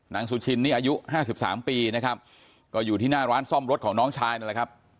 สุชินนี่อายุห้าสิบสามปีนะครับก็อยู่ที่หน้าร้านซ่อมรถของน้องชายนั่นแหละครับ